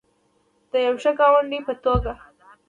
د یو ښه ګاونډي په توګه.